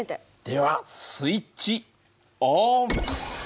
ではスイッチオン！